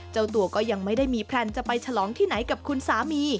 เจ้าตัวก็ยังไม่ได้มีแพลนจะไปฉลองที่ไหนกับคุณสามี